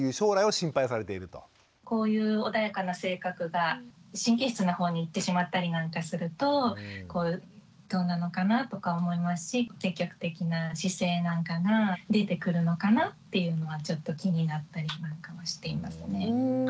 こういう穏やかな性格が神経質な方にいってしまったりなんかするとどうなのかなとか思いますし積極的な姿勢なんかが出てくるのかなっていうのがちょっと気になったりなんかはしていますね。